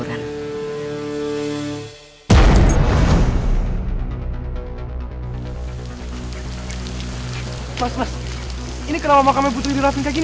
mas mas kenapa makam hai buatin lagi